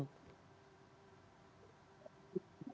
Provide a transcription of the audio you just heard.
ya sebenarnya di partai politik